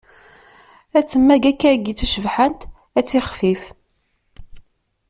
Ad temmag akkayi d tacebḥant, ad tixfif.